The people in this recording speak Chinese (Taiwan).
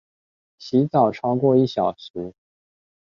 洗澡超過一小時